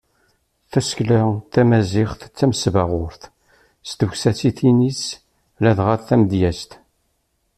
Tasekla tamaziɣt d tamesbeɣrut s tewsatin-is ladɣa tamedyazt.